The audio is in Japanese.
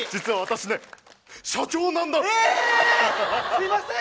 すいません